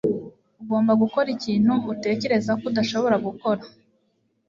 ugomba gukora ikintu utekereza ko udashobora gukora